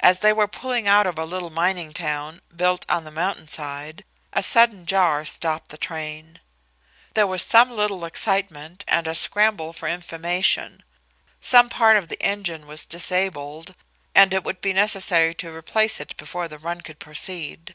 As they were pulling out of a little mining town built on the mountain side, a sudden jar stopped the train. There was some little excitement and a scramble for information. Some part of the engine was disabled, and it would be necessary to replace it before the "run" could proceed.